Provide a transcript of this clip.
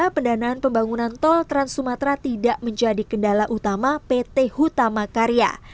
pendanaan pembangunan tol trans sumatera tidak menjadi kendala utama pt hutama karya